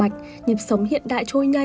công việc cao cả